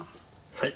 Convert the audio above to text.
はい。